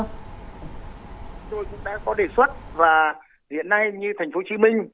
chúng tôi cũng đã có đề xuất và hiện nay như tp hcm